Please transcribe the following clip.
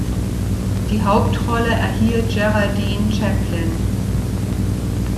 Die Hauptrolle erhielt Geraldine Chaplin.